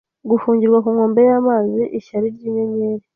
Gufungirwa ku nkombe yamazi Ishyari ryinyenyeri